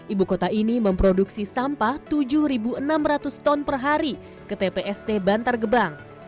ibu kota ini memproduksi sampah tujuh enam ratus ton per hari ke tpst bantar gebang